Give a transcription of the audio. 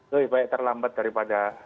lebih baik terlambat daripada